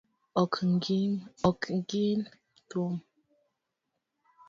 Ok gin thum.